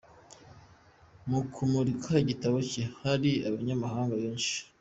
Mu kumurika igitabo cye hari abanyamahanga benshi.